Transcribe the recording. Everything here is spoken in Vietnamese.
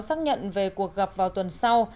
xác nhận về cuộc gặp vào tuần sau